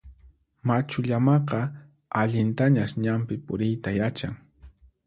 Machu llamaqa allintañas ñanpi puriyta yachan.